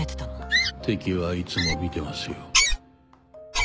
敵はいつも見てますよ